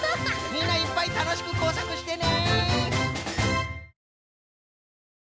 みんないっぱいたのしくこうさくしてね！